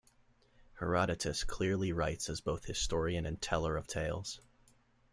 Herodotus clearly writes as both historian and teller of tales.